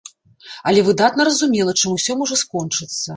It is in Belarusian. Але выдатна разумела, чым усё можа скончыцца.